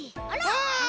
あら！